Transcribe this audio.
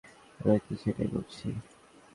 আমরা কি সেটাই করছি?